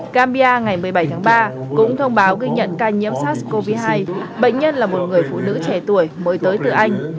kambia ngày một mươi bảy tháng ba cũng thông báo ghi nhận ca nhiễm sars cov hai bệnh nhân là một người phụ nữ trẻ tuổi mới tới từ anh